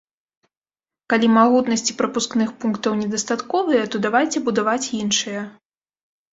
Калі магутнасці прапускных пунктаў недастатковыя, то давайце будаваць іншыя.